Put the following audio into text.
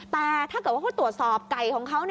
แต่ถ้าเกิดว่าเขาตรวจสอบไก่ของเขา